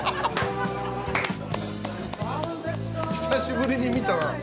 久しぶりに見たな。